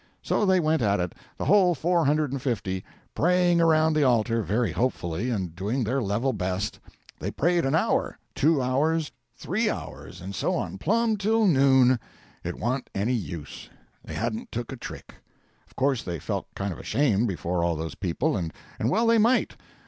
So they went at it, the whole four hundred and fifty, praying around the altar, very hopefully, and doing their level best. They prayed an hour two hours three hours and so on, plumb till noon. It wa'n't any use; they hadn't took a trick. Of course they felt kind of ashamed before all those people, and well they might.